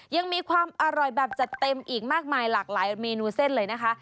ยังมีความอร่อยแบบจัดเต็มอีกมากมายหลากหลายเมนูเส้นเลยนะคะ